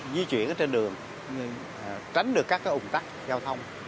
di chuyển trên đường tránh được các ủng tắc giao thông